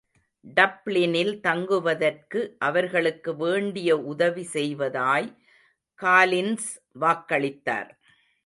டப்ளினில் தங்குவதற்கு அவர்களுக்கு வேண்டிய உதவி செய்வதாய் காலின்ஸ் வாக்களித்தார்.